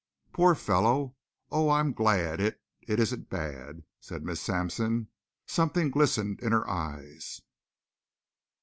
"Poor fellow! Oh, I'm glad it it isn't bad," said Miss Sampson. Something glistened in her eyes.